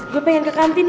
gue pengen ke kantin